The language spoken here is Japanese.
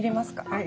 はい。